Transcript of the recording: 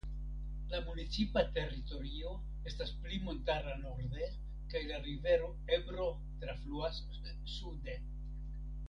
La municipa teritorio estas pli montara norde kaj la rivero Ebro trafluas sude.